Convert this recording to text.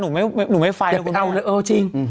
หนูไม่ไฟล์นะคุณแม่เออจริง